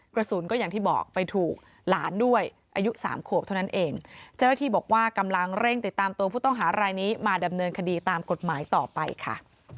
กระสุนก็อย่างที่บอกไปถูกหลานด้วยอายุสามขวบเท่านั้นเองเจ้าหน้าที่บอกว่ากำลังเร่งติดตามตัวผู้ต้องหารายนี้มาดำเนินคดีตามกฎหมายต่อไปค่ะ